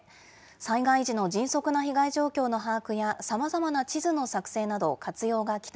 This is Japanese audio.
災害時の迅速な被害状況の把握やさまざまな地図の作製など活用がだ